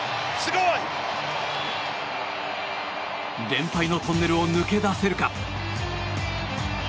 連敗のトンネルを抜け出せるか。